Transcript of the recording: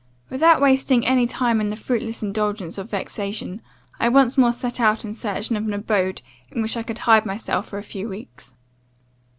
"Without wasting any time in the fruitless indulgence of vexation, I once more set out in search of an abode in which I could hide myself for a few weeks.